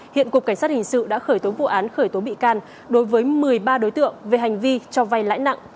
hiện cục cảnh sát hình sự đã khởi tố vụ án khởi tố bị can đối với một mươi ba đối tượng về hành vi cho vay lãi nặng